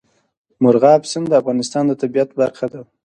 مورغاب سیند د افغانستان د طبیعت برخه ده.